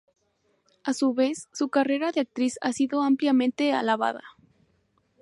A su vez, su carrera de actriz ha sido ampliamente alabada.